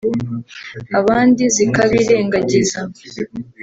abandi zikabirengagiza